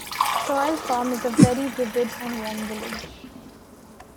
Trial Farm is a very vivid and warm village.